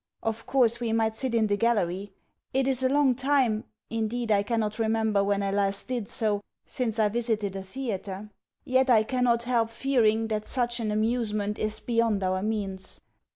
Of course we might sit in the gallery. It is a long time (indeed I cannot remember when I last did so) since I visited a theatre! Yet I cannot help fearing that such an amusement is beyond our means.